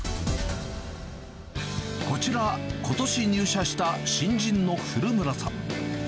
こちら、ことし入社した新人の古村さん。